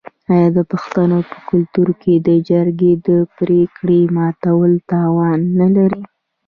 آیا د پښتنو په کلتور کې د جرګې پریکړه ماتول تاوان نلري؟